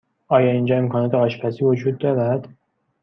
آیا اینجا امکانات آشپزی وجود دارد؟